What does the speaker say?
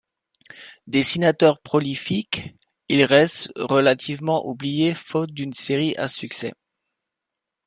Dessinateur prolifique, il reste relativement oublié faute d'une série à succès.